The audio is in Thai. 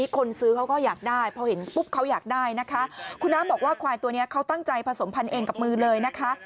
คุณน้ำบอกว่าควายตัวนี้เขาตั้งใจผสมพันธุ์เองกับมือเลยนะคะ